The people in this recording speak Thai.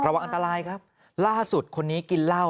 ว่าอันตรายครับล่าสุดคนนี้กินเหล้า